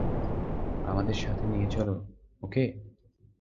আমাদের সাথে নিয়ে চলো, ওকে?